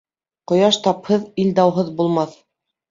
Ҡояш тапһыҙ, ил дауһыҙ булмаҫ.